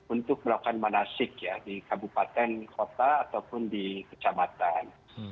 untuk melakukan manasik ya di kabupaten kota ataupun di kecamatan